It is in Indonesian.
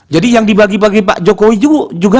jadi yang dibagi bagi pak jokowi juga